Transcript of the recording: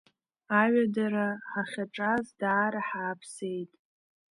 Аҩадара ҳахьаҿаз даара ҳааԥсеит.